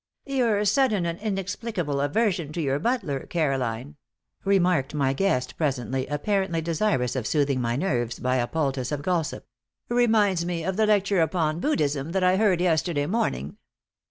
"Your sudden and inexplicable aversion to your butler, Caroline," remarked my guest, presently, apparently desirous of soothing my nerves by a poultice of gossip, "reminds me of the lecture upon Buddhism that I heard yesterday morning.